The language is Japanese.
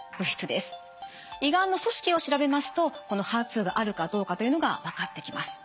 胃がんの組織を調べますとこのＨＥＲ２があるかどうかというのが分かってきます。